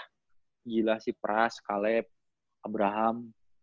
gila si pras kaleb abraham